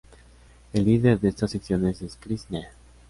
El líder de estas secciones es Chris Nee.